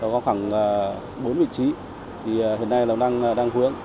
có khoảng bốn vị trí thì hiện nay nó đang vướng